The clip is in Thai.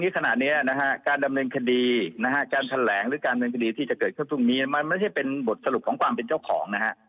การแบบนี้สนะนีการดำเนินคดีที่จะเกิดเข้าจุ่งนี่มันไม่ใช่บทสรุปของการเจ้าของ